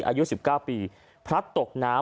อายุ๑๙ปีพลัดตกน้ำ